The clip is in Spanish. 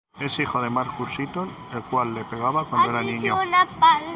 Es hijo de Marcus Eaton, el cual le pegaba cuando era niño.